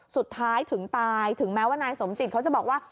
สุดท้ายถึงตายถึงแม้ว่านายสมจิตเขาจะบอกว่า